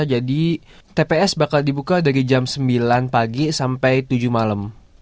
jadi tps bakal dibuka dari jam sembilan pagi sampai tujuh malam